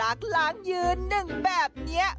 กล้าล้างยืนหนึ่งแบบนี้